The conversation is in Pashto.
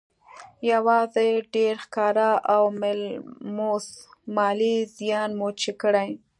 يوازې ډېر ښکاره او ملموس مالي زيان مو چې کړی